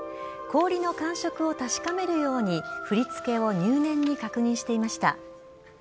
氷の感触を確かめるように振り付けを入念に確認していました。